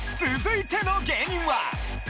続いての芸人は？